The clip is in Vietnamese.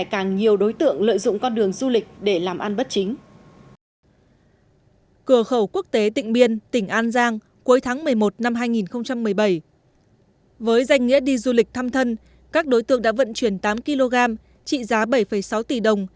các đối tượng đã vận chuyển tám kg vàng có nghĩa là với tám kg vàng các đối tượng có thể thu lời đến hơn hai tỷ đồng